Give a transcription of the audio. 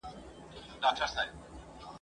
ستا پر تور تندي لیکلي کرښي وايي !.